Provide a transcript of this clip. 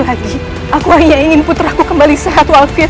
aku hanya ingin putraku kembali sehat walfiat